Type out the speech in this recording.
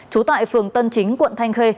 trú tại phường tân chính quận thanh khê